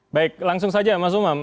baik langsung saja mas umam